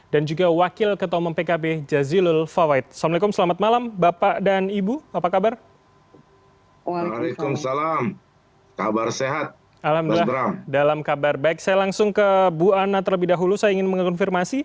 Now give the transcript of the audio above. dan juga wakil ketomong pkb